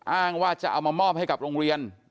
อ้างว่าจะเอามามอบให้กับโรงเรียน